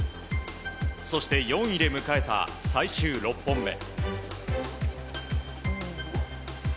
そして、４位で迎えた最終６本目。